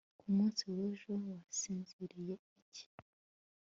Ku munsi wejo wasinziriye iki